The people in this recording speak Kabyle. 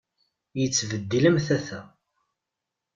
Ittbeddil am tata.